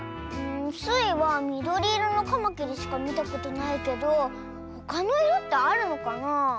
スイはみどりいろのカマキリしかみたことないけどほかのいろってあるのかなあ。